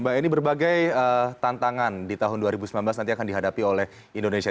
mbak ini berbagai tantangan di tahun dua ribu sembilan belas nanti akan dihadapi oleh indonesia